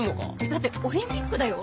だってオリンピックだよ？